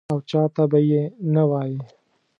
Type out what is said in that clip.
او چا ته به یې نه وایې.